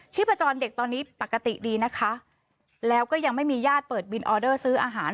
พจรเด็กตอนนี้ปกติดีนะคะแล้วก็ยังไม่มีญาติเปิดวินออเดอร์ซื้ออาหาร